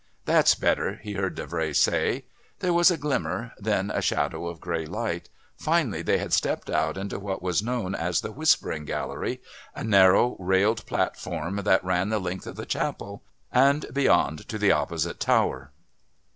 "That's better," he heard Davray say. There was a glimmer, then a shadow of grey light, finally they had stepped out into what was known as the Whispering Gallery, a narrow railed platform that ran the length of the Chapel and beyond to the opposite Tower.